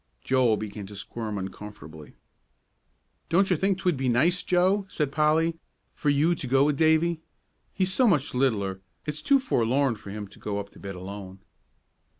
Joel began to squirm uncomfortably. "Don't you think 'twould be nice, Joe," said Polly, "for you to go with Davie? He's so much littler; it's too forlorn for him to go up to bed alone."